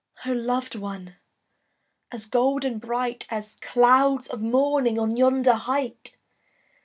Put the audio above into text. oh loved one! As golden bright, As clouds of morning On yonder height!